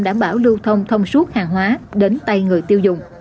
đảm bảo lưu thông thông suốt hàng hóa đến tay người tiêu dùng